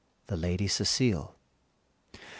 The Lady Cecile.